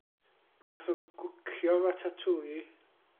Nath o gwcio ratatouille.